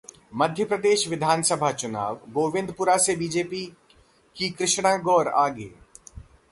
मध्य प्रदेश विधानसभा चुनाव: गोविंदपुरा से बीजेपी की कृष्णा गौर आगे